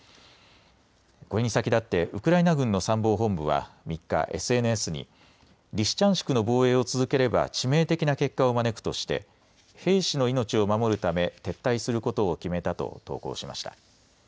これに先立ってウクライナ軍の参謀本部は３日、ＳＮＳにリシチャンシクの防衛を続ければ致命的な結果を招くとして兵士の命を守るため撤退することを決めたと投稿しました。